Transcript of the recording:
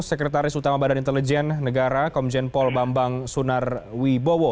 sekretaris utama badan intelijen negara komjen paul bambang sunarwi bowo